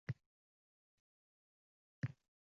Matoni echib, qutichadan chinni ko`zachani oldi